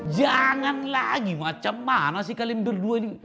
jangan lagi macam mana sih kalian berdua ini